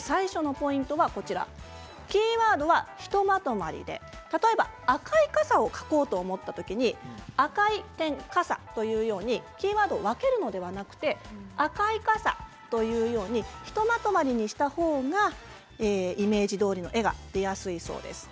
最初のポイントはキーワードはひとまとまりで赤い傘を描こうと思った時に「赤い、傘」というようにキーワードを分けるのではなくて「赤い傘」というようにひとまとまりにした方がイメージどおりの絵が出やすいそうです。